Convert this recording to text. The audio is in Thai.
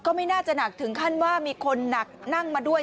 ไม่น่าจะหนักถึงขั้นว่ามีคนหนักนั่งมาด้วย